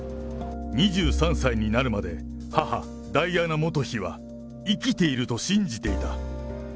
２３歳になるまで母、ダイアナ元妃は生きていると信じていた。